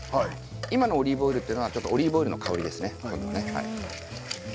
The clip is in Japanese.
今のオリーブオイルというのはオリーブオイルの香りですね。